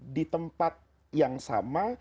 di tempat yang sama